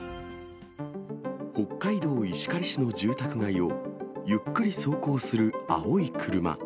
北海道石狩市の住宅街を、ゆっくり走行する青い車。